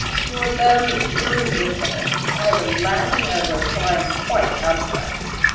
Your letter is irresistible; I have been laughing over it till I am quite out of breath.